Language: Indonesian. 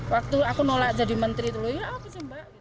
waktu aku nolak jadi menteri dulu ya apa sih mbak